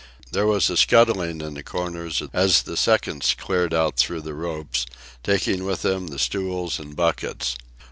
There was a scuttling in the corners as the seconds cleared out through the ropes, taking with them the stools and buckets.